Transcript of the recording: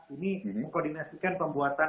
ini mengkoordinasikan pembuatan